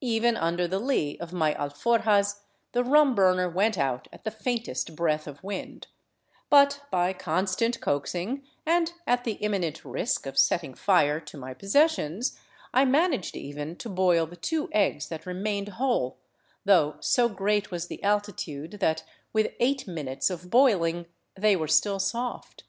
Even under the lee of my alforjas the rum burner went out at the faintest breath of wind, but by constant coaxing, and at the imminent risk of setting fire to my possessions, I managed even to boil the two eggs that remained 368 OVERLAND TOWARD CUZCO whole, though so great was the altitude that with eight minutes of boil ing they were still soft.